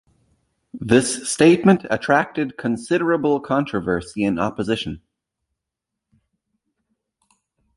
This statement attracted considerable controversy and opposition.